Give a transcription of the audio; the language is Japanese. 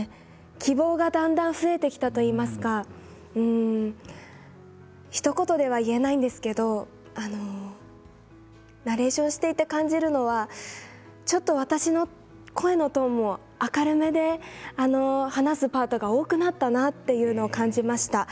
希望がだんだん増えてきたといいますかひと言では言えないんですけれどナレーションしていて感じるのはちょっと私の声のトーンも明るめで話すパートが多くなったなというのを感じました。